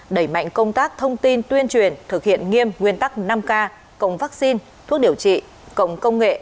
đẩy mạnh công tác thông tin tuyên truyền thực hiện nghiêm nguyên tắc năm k cộng vaccine thuốc điều trị cộng công nghệ